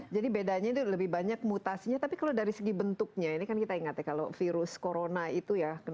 jadi bedanya itu lebih banyak mutasinya tapi kalau dari segi bentuknya ini kan kita ingat ya kalau virus corona itu ya